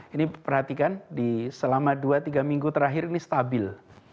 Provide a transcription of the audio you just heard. ini perhatikan selama dua tiga minggu terakhir ini stabil